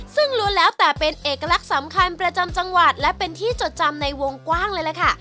ซึ่งล้วนแล้วแต่เป็นเอกลักษณ์สำคัญประจำจังหวัดและเป็นที่จดจำในวงกว้างเลยล่ะค่ะ